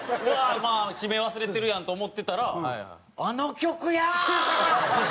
閉め忘れてるやんと思ってたらあの曲や！！